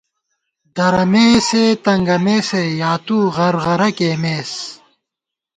درَمېسے تنگَمېسے یا تُو غرغرہ کېئیمېس